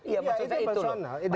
ya itu personal